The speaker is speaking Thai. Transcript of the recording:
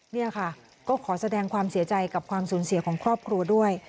นี่ค่ะก็ขอแสดงความเสียใจกับความสูญเสียของครอบครัวด้วย